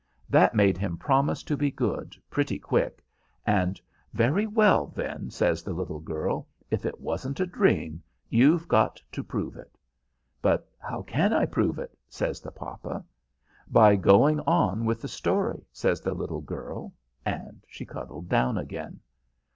That made him promise to be good, pretty quick, and, "Very well, then," says the little girl; "if it wasn't a dream, you've got to prove it." "But how can I prove it?" says the papa. "By going on with the story," says the little girl, and she cuddled down again.